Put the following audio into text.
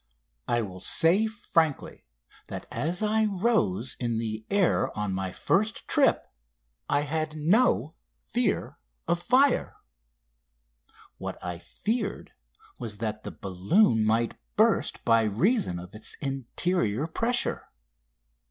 I will say frankly that as I rose in the air on my first trip I had no fear of fire. What I feared was that the balloon might burst by reason of its interior pressure.